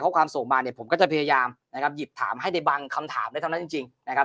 ความส่งมาเนี่ยผมก็จะพยายามนะครับหยิบถามให้ในบางคำถามได้เท่านั้นจริงนะครับ